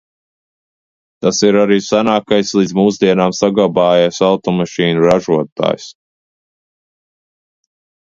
Tas ir arī senākais līdz mūsdienām saglabājies automašīnu ražotājs.